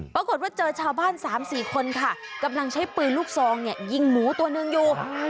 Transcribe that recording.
ปรากฏว่าเจอชาวบ้าน๓๔คนค่ะกำลังใช้ปืนลูกซองเนี่ยยิงหมูตัวหนึ่งอยู่